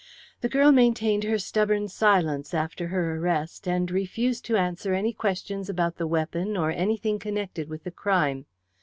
The girl maintained her stubborn silence after her arrest, and refused to answer any questions about the weapon or anything connected with the crime.